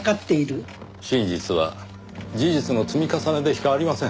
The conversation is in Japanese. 真実は事実の積み重ねでしかありません。